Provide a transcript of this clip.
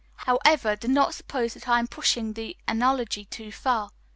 However, do not suppose that I am pushing the analogy too far.